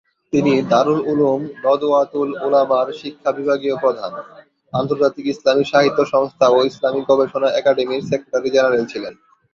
তিনি দারুল উলুম নদওয়াতুল উলামার শিক্ষাবিভাগীয় প্রধান, আন্তর্জাতিক ইসলামি সাহিত্য সংস্থা ও ইসলামি গবেষণা একাডেমির সেক্রেটারি জেনারেল ছিলেন।